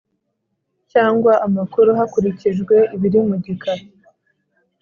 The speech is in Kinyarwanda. cyangwa amakuru hakurikijwe ibiri mu gika